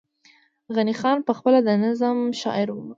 غني خان پخپله د نظم شاعر وو